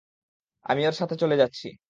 আমি ওর সাথে চলে যাচ্ছি!